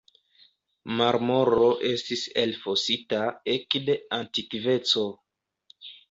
Marmoro estis elfosita ekde antikveco.